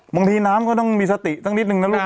บางทีน้ำก็ต้องมีสติสักนิดนึงนะลูก